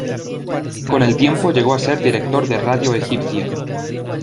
Con el tiempo llegó a ser Director de Radio Egipcia.